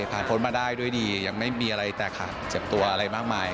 พ้นมาได้ด้วยดียังไม่มีอะไรแตกขาดเจ็บตัวอะไรมากมาย